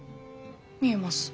見えます。